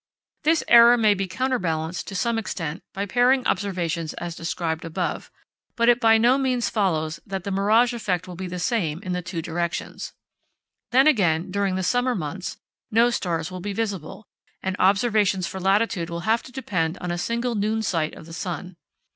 This error may be counterbalanced to some extent by pairing observations as described above, but it by no means follows that the mirage effect will be the same in the two directions. Then again, during the summer months, no stars will be visible, and observations for latitude will have to depend on a single noon sight of the sun.